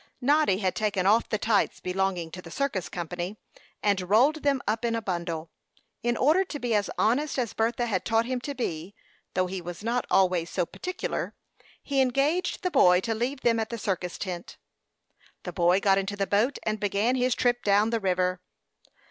Noddy had taken off the tights belonging to the circus company, and rolled them up in a bundle. In order to be as honest as Bertha had taught him to be, though he was not always so particular, he engaged the boy to leave them at the circus tent. The boy got into the boat, and began his trip down the river.